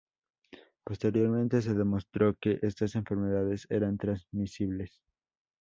Posteriormente se demostró que estas enfermedades eran transmisibles.